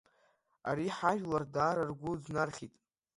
Ари ҳажәлар даара ргәы днархьит.